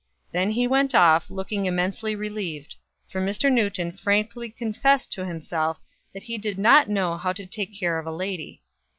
Then he went off, looking immensely relieved; for Mr. Newton frankly confessed to himself that he did not know how to take care of a lady.